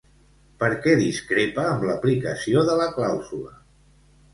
Per què discrepa amb l'aplicació de la clàusula?